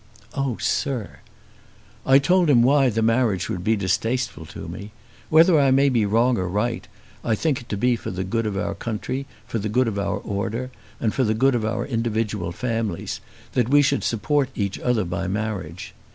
"Oh, sir." "I told him why the marriage would be distasteful to me. Whether I may be wrong or right I think it to be for the good of our country, for the good of our order, for the good of our individual families, that we should support each other by marriage.